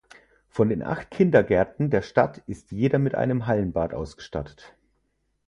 Von den acht Kindergärten der Stadt ist jeder mit einem Hallenbad ausgestattet.